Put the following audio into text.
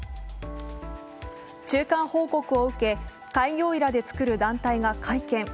中間報告を受け、開業医らで作る団体が会見。